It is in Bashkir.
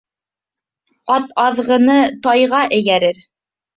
Ат аҙғыны тайға эйәрер